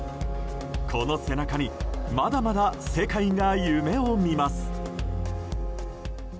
この背中にまだまだ世界が夢を見ます。